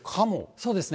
そうですね。